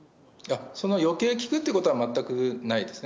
その、よけい効くってことは全くないですね。